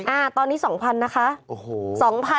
อ้าวตอนนี้๒๐๐๐นะคะโอ้โห